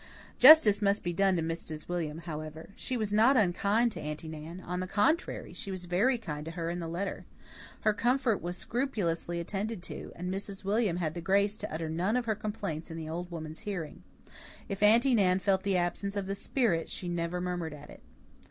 Justice must be done to Mrs. William, however. She was not unkind to Aunty Nan; on the contrary, she was very kind to her in the letter. Her comfort was scrupulously attended to, and Mrs. William had the grace to utter none of her complaints in the old woman's hearing. If Aunty Nan felt the absence of the spirit she never murmured at it.